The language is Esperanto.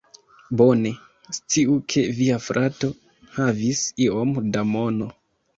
Bone, sciu ke via frato havis iom da mono